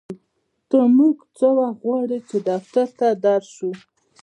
ته مونږ څه وخت غواړې چې دفتر ته در شو